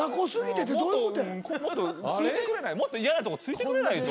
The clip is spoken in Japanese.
もっと嫌なとこ突いてくれないと。